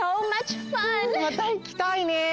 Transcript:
またいきたいねえ。